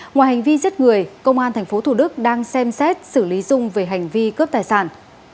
ngoài hành vi giết người công an tp thủ đức đang xem xét xử lý dung về hành vi cướp tài sản